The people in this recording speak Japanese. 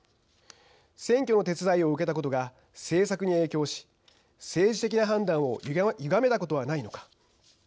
選挙の手伝いを受けたことが政策に影響し政治的な判断をゆがめたことはないのか。